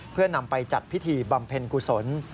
เพื่อนำไปจัดพิธีบำเพ็ญกุศล